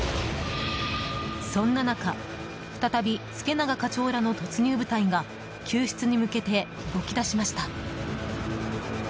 そんな中、再び助永課長らの突入部隊が救出に向けて動き出しました。